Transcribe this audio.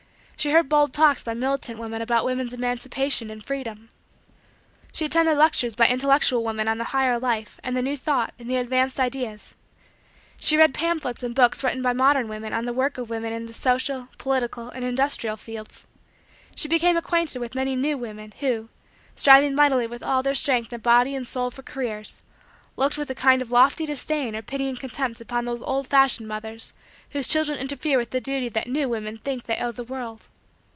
She heard bold talks by militant women about woman's emancipation and freedom. She attended lectures by intellectual women on the higher life, and the new thought, and the advanced ideas. She read pamphlets and books written by modern women on the work of women in the social, political and industrial fields. She became acquainted with many "new" women who, striving mightily with all their strength of body and soul for careers, looked with a kind of lofty disdain or pitying contempt upon those old fashioned mothers whose children interfere with the duty that "new" women think they owe the world.